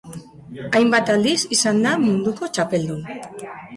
Hainbat aldiz izan da munduko txapeldun.